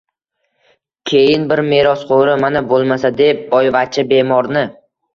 Keyin, bir merosxo‘ri, mana bo‘lmasa deb, boyvachcha bemorni...